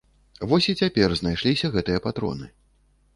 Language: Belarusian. Вось і цяпер знайшліся гэтыя патроны.